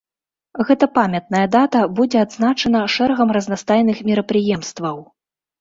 Гэта памятная дата будзе адзначана шэрагам разнастайных мерапрыемстваў.